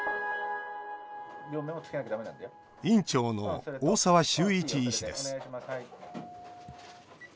院長の大澤秀一医師です。